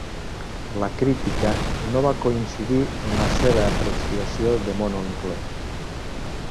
La crítica no va coincidir en la seva apreciació de Mon oncle.